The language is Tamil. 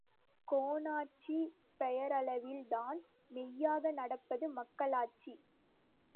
கோனாட்சி பெயரளவில் தான், மெய்யாக நடப்பது மக்களாட்சி.